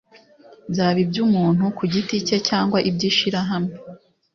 byaba iby’umuntu ku giti cye cyangwa iby’ishirahamwe.